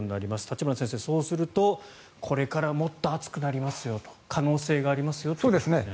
立花先生、そうするとこれからもっと暑くなりますよという可能性がありますよと。